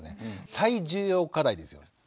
最重要課題ですよね。